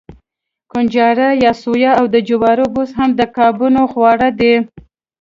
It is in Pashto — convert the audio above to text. کنجاړه یا سویا او د جوارو بوس هم د کبانو خواړه دي.